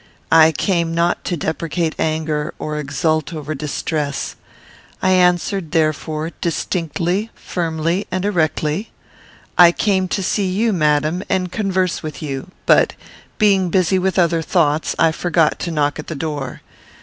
I came not to deprecate anger, or exult over distress. I answered, therefore, distinctly, firmly, and erectly, "I came to see you, madam, and converse with you; but, being busy with other thoughts, I forgot to knock at the door.